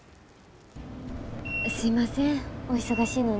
すいませんお忙しいのに。